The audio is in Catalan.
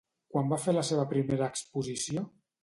Quan va fer la seva primera exposició?